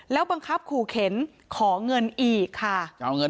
แล้วบังคับขู่เข็นขอเงินอีกค่ะ